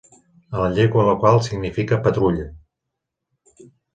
En la llengua local significa "patrulla".